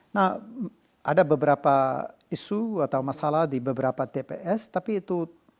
nah ada beberapa isu atau masalah di beberapa tps tapi itu